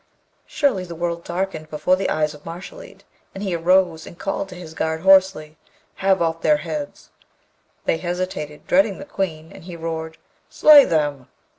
Surely the world darkened before the eyes of Mashalleed, and he arose and called to his guard hoarsely, 'Have off their heads!' They hesitated, dreading the Queen, and he roared, 'Slay them!'